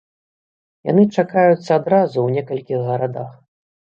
Яны чакаюцца адразу ў некалькіх гарадах.